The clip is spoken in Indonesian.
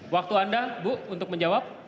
waktu anda bu untuk menjawab